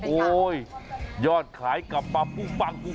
โอ้ยยอดขายกลับมาปุ้งปั้งเลย